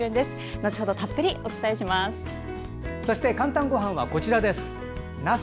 後程たっぷりお伝えします。